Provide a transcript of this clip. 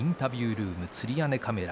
ルームつり屋根カメラ